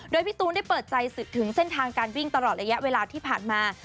โดยพี่ตูนได้เปิดใจถึงเส้นทางการวิ่งตลอดระยะเวลาที่ผ่านมา